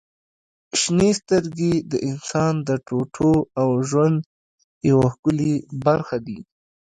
• شنې سترګې د انسان د ټوټو او ژوند یوه ښکلي برخه دي.